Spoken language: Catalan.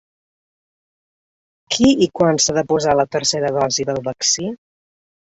Qui i quan s’ha de posar la tercera dosi del vaccí?